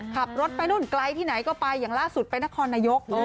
ขับรถไปนู่นไกลที่ไหนก็ไปอย่างล่าสุดไปนครนายก